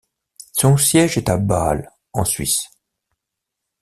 Son siège est à Bâle, en Suisse.